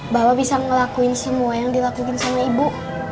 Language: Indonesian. bapak bisa ngelakuin semua yang dilakuin sama ibu